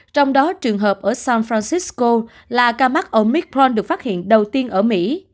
trong đó trường hợp ở san francisco là ca mắc omicron được phát hiện đầu tiên ở mỹ